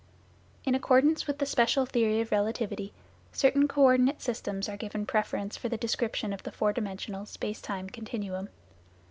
In accordance with the special theory of relativity, certain co ordinate systems are given preference for the description of the four dimensional, space time continuum.